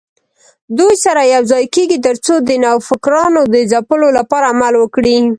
دوی سره یوځای کېږي ترڅو د نوفکرانو د ځپلو لپاره عمل وکړي